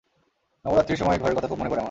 নবরাত্রির সময় ঘরের কথা খুব মনে পড়ে আমার।